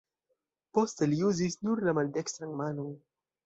Poste li uzis nur la maldekstran manon.